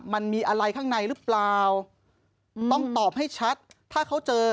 มันมีอะไรข้างในหรือเปล่าต้องตอบให้ชัดถ้าเขาเจอ